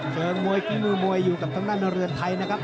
มวยฝีมือมวยอยู่กับทางด้านเรือนไทยนะครับ